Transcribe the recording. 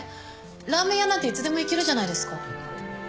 ラーメン屋なんていつでも行けるじゃないですか